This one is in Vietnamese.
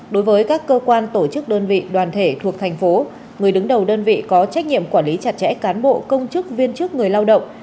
đối với các cơ quan tổ chức đơn vị đoàn thể thuộc thành phố người đứng đầu đơn vị có trách nhiệm quản lý chặt chẽ cán bộ công chức viên chức người lao động